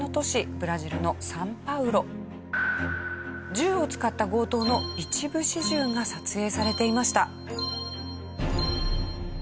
銃を使った強盗の一部始終が撮影されていました。